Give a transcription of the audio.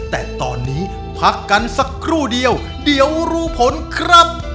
แต่ตอนนี้พักกันสักครู่เดียวเดี๋ยวรู้ผลครับ